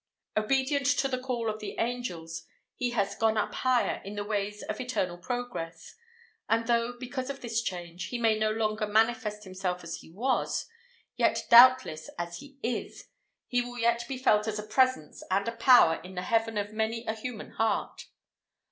Obedient to the call of the Angels, he has "gone up higher" in the ways of Eternal Progress; and though, because of this change, he may no longer manifest himself as he was, yet doubtless as he is, he will yet be felt as a Presence and a Power in the "Heaven" of many a human heart.